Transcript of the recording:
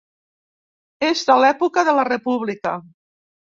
És de l'època de la República.